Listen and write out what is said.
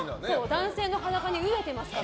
男性の裸に飢えてますから。